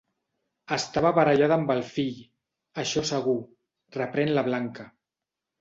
Estava barallada amb el fill, això segur —reprèn la Blanca—.